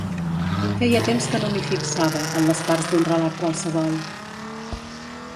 Feia temps que no m'hi fixava, en les parts d'un relat qualsevol.